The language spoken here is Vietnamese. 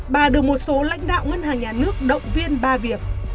bà được một số lãnh đạo ngân hàng nhà nước động viên ba việc